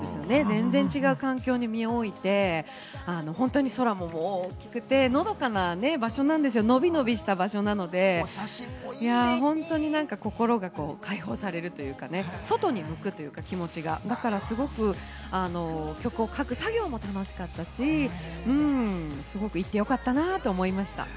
全然違う環境に身を置いて空も大きくてのどかな場所なんですよ、のびのびした場所なので、心が解放されるというかね、外に向くというか気持ちがすごく曲を書く作業も楽しかったし、すごく行ってよかったなと思いました。